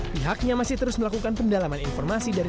pihaknya masih terus melakukan pendalaman informasi dari